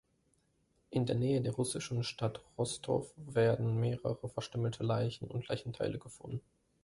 In der Nähe der russischen Stadt Rostow werden mehrere verstümmelte Leichen und Leichenteile gefunden.